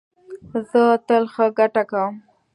زه تل ښه ګټه کوم